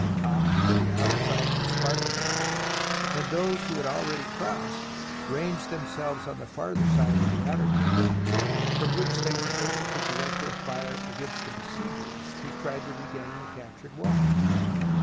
EA top of the outer side of the Spartan wall, and those who had already crossed ranged themselves on the farther side of the outer ditch, from which they were able to direct their fire against the besiegers who tried to regain the captured wall.